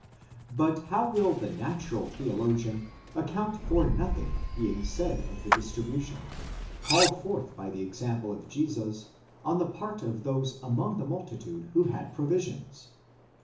But how will the natural theologian account for nothing being said of the distribution, called forth by the example of Jesus, on the part of those among the multitude who had provisions?